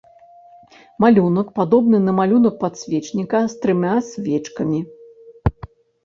Малюнак падобны на малюнак падсвечніка з трыма свечкамі.